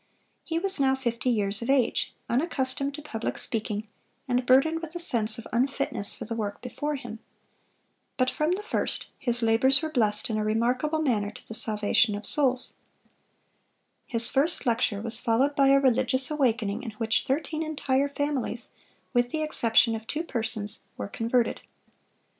He was now fifty years of age, unaccustomed to public speaking, and burdened with a sense of unfitness for the work before him. But from the first his labors were blessed in a remarkable manner to the salvation of souls. His first lecture was followed by a religious awakening in which thirteen entire families, with the exception of two persons, were converted.